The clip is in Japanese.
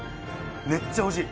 めっちゃおいしい。